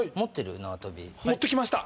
持って来ました。